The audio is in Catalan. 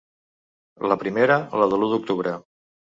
La primera, la de l’u d’octubre.